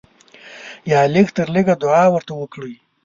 یا لږ تر لږه دعا ورته وکړئ.